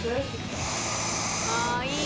ああいい。